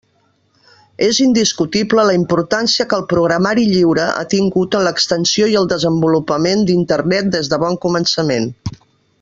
És indiscutible la importància que el programari lliure ha tingut en l'extensió i el desenvolupament d'Internet des de bon començament.